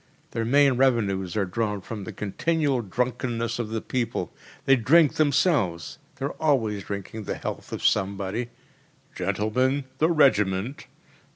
Their main revenues are drawn from the continual drunkenness of the people. They drink themselves they are always drinking the health of somebody: ‚ÄėGentlemen, the Regiment!